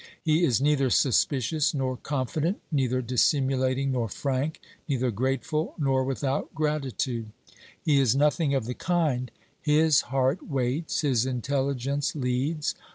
He is neither suspicious nor confident, neither dissimulating nor frank, neither grateful nor without gratitude. He is nothing of the kind; his heart waits, his intelligence leads.